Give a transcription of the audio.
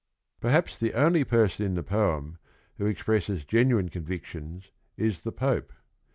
Perhaps the only person in the poem who ex presses genuine convictions is the .Pope.